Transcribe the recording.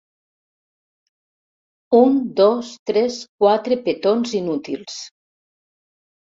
Un dos tres quatre petons inútils.